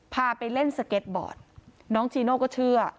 พาไปเล่นสเก็ตบอร์ดน้องจีโน่ก็เชื่อ